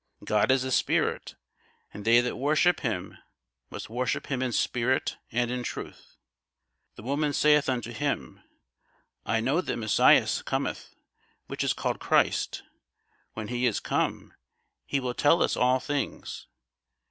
God is a Spirit: and they that worship him must worship him in spirit and in truth. The woman saith unto him, I know that Messias cometh, which is called Christ: when he is come, he will tell us all things.